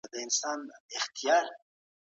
د نړیوالې تجربې څخه زده کړه کول اړین دي.